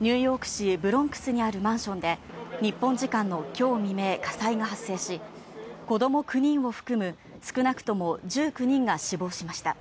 ニューヨーク市ブロンクスにあるマンションで日本時間のきょう未明、火災が発生し、子ども９人を含む少なくとも１９人が死亡しました。